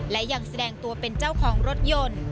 และยังแสดงตัวเป็นเจ้าของรถยนต์